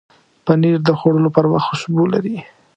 پنېر د خوړلو پر وخت خوشبو لري.